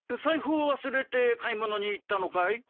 財布を忘れて買い物に行ったのかい？